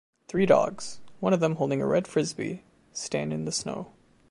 Three dogs, one of them holding a red Frisbee, stand in the snow.